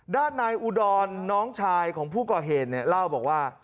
ด้านนายอุดรน้องชายของผู้ก่อเหตุเนี่ยเล่าบอกว่า